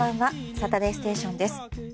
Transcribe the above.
「サタデーステーション」です。